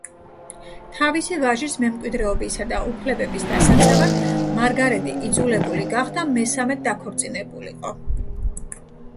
თავისი ვაჟის მემკვიდრეობისა და უფლებების დასაცავად მარგარეტი იძულებული გახდა მესამედ დაქორწინებულიყო.